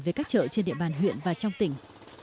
về các chợ trên địa bàn huyện và trong tỉnh